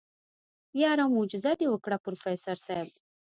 يره موجيزه دې وکړه پروفيسر صيب.